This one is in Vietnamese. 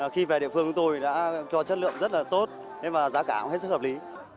khi về địa phương chúng tôi đã cho chất lượng rất là tốt và giá cả cũng hết sức hợp lý